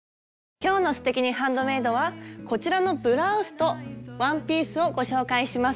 今日の「すてきにハンドメイド」はこちらのブラウスとワンピースをご紹介します。